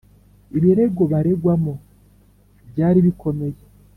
ibirego baregwamo byari bikomeye